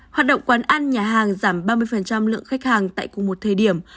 hoạt động quán ăn nhà hàng giảm ba mươi lượng khách hàng tại cùng một thời điểm